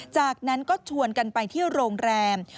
จากนั้นก็ชวนกันไปที่โรงแรม